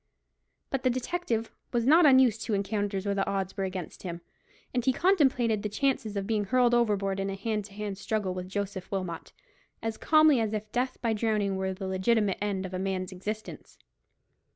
But the detective was not unused to encounters where the odds were against him, and he contemplated the chances of being hurled overboard in a hand to hand struggle with Joseph Wilmot as calmly as if death by drowning were the legitimate end of a man's existence.